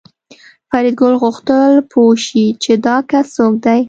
فریدګل غوښتل پوه شي چې دا کس څوک دی